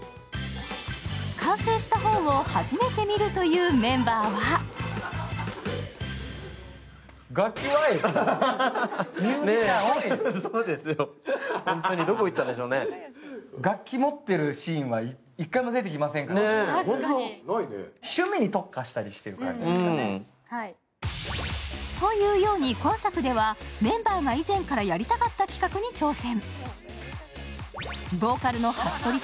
完成した本を、初めて見るというメンバーはそうですよ、ホントにどこ行ったんでしょうね。というように、今作ではメンバーが以前からやりたかった企画に挑戦。